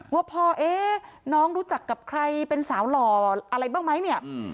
ว่าพ่อน้องรู้จักกับใครเป็นสาวหล่ออะไรบ้างไหม